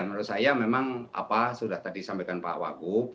menurut saya memang apa sudah tadi sampaikan pak wagub